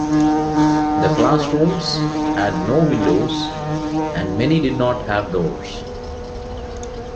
The classrooms had no windows, and many did not have doors.